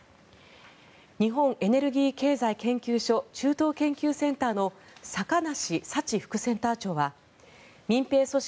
日本エネルギー経済研究所中東研究センターの坂梨祥副センター長は民兵組織